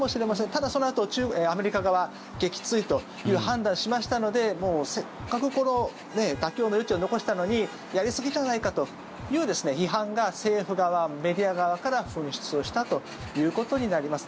ただ、そのあとアメリカ側は撃墜という判断しましたのでせっかく妥協の余地を残したのにやりすぎじゃないかという批判が政府側、メディア側から噴出したということになります。